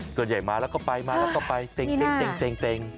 ส่วนใหญ่มาแล้วก็ไปมาแล้วก็ไปเซ็ง